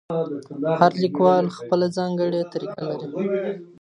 هر لیکوال خپله ځانګړې طریقه لري.